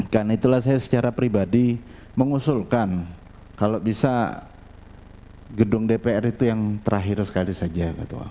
karena itulah saya secara pribadi mengusulkan kalau bisa gedung dpr itu yang terakhir sekali saja